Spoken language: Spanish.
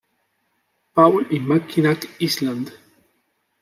Paul y Mackinac Island.